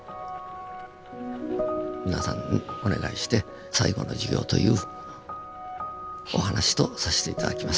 皆さんにお願いして「最後の授業」というお話とさせて頂きます。